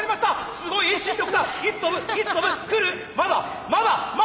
すごい遠心力！